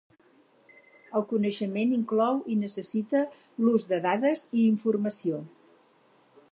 El coneixement inclou i necessita l'ús de dades i informació.